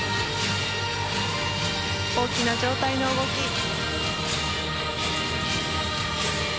大きな上体の動き。